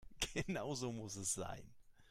Genau so muss es sein.